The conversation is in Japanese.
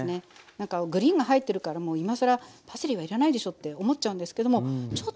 なんかグリーンが入ってるからもう今更パセリはいらないでしょって思っちゃうんですけどもちょっと入るとね